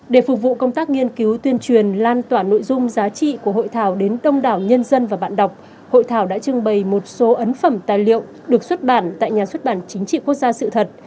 để phục vụ công tác nghiên cứu tuyên truyền lan tỏa nội dung giá trị của hội thảo đến đông đảo nhân dân và bạn đọc hội thảo đã trưng bày một số ấn phẩm tài liệu được xuất bản tại nhà xuất bản chính trị quốc gia sự thật